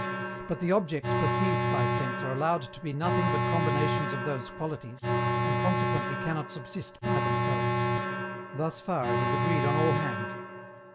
But the objects perceived by sense are allowed to be nothing but combinations of those qualities, and consequently cannot subsist by themselves. Thus far it is agreed on all hand.